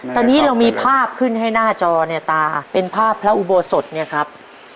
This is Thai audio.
ตอนนี้เรามีภาพขึ้นให้หน้าจอเนี่ยตาเป็นภาพพระอุโบสถเนี่ยครับ